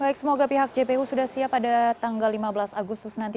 baik semoga pihak jpu sudah siap pada tanggal lima belas agustus nanti